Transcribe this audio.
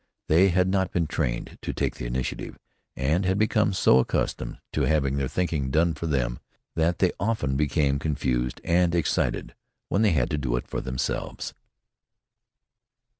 They had not been trained to take the initiative, and had become so accustomed to having their thinking done for them that they often became confused and excited when they had to do it for themselves.